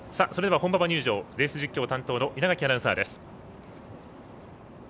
本馬場入場、レース実況担当の稲垣アナウンサーです。